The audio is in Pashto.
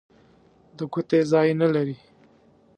د ګوتې ځای نه لري.